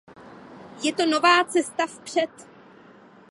Je to nová cesta vpřed!